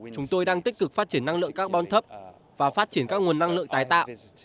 chúng tôi đang tích cực phát triển năng lượng carbon thấp và phát triển các nguồn năng lượng tái tạo